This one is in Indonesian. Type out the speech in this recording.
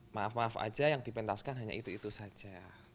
maaf maaf aja yang dipentaskan hanya itu itu saja